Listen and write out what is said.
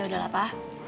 ya udahlah pak